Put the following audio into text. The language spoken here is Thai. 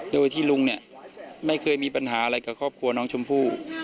โดยที่ลุงเนี่ยไม่เคยมีปัญหาอะไรกับครอบครัวน้องชมพู่